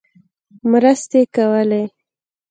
مرستې کولې.